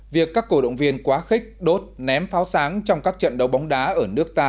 việc các cổ động viên quá khích đốt ném pháo sáng trong các trận đấu bóng đá ở nước ta